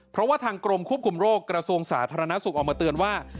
เพราะว่าทางกรมควบคุมโรคกระทรวงสาธารณสุขออกมาเตือนว่า